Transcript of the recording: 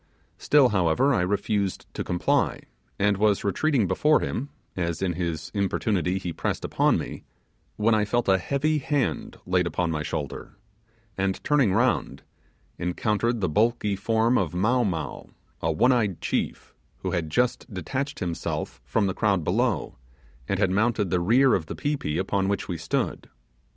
Still, however, I refused to comply, and was retreating before him, as in his importunity he pressed upon me, when I felt a heavy hand laid upon my shoulder, and turning round, encountered the bulky form of Mow Mow, a one eyed chief, who had just detached himself from the crowd below, and had mounted the rear of the pi pi upon which we stood.